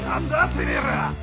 てめえら！